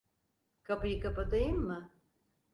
Kapıyı kapatayım mı?